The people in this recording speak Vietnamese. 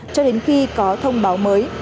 cho đến khi có thông báo mới